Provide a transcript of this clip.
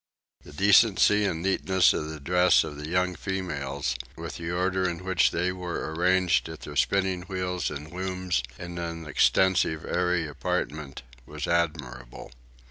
The decency and neatness of the dress of the young females, with the order in which they were arranged at their spinning wheels and looms in an extensive airy apartment, was admirable.